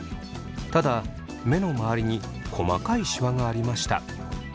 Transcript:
ただ目の周りに細かいシワがありました。